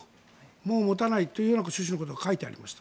もう持たないという趣旨のことが書いてありました。